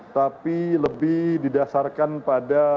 tapi lebih didasarkan pada